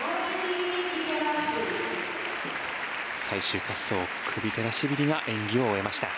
最終滑走、クビテラシビリが演技を終えました。